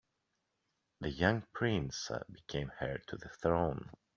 The young prince became heir to the throne.